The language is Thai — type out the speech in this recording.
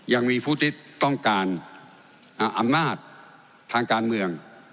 ยังมีผู้ที่ต้องการอำนาจทางการเมือง